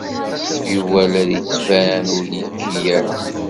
Yuba la d-yettban ur yuki ara.